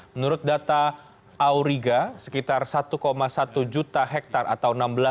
menurut data auriga sekitar satu satu juta hektare